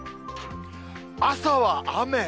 朝は雨。